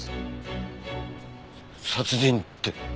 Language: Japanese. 殺人って？